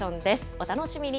お楽しみに。